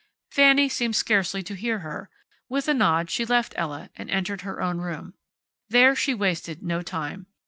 Fanny seemed scarcely to hear her. With a nod she left Ella, and entered her own room. There she wasted no time.